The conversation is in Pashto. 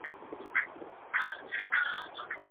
که ژبه بډایه وي نو فکر ژور وي.